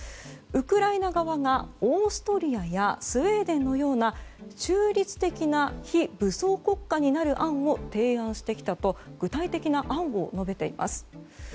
ウクライナ側がオーストリアやスウェーデンのような中立的な非武装国家になる案を提案してきたと具体的な案を述べています。